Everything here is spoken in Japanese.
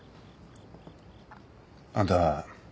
あんた。